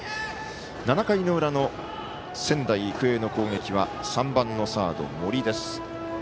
７回の裏の仙台育英の攻撃は３番のサード、森です。